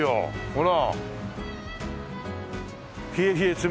ほら。